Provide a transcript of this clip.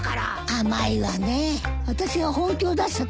甘いわねあたしが本気を出したと思ってるの？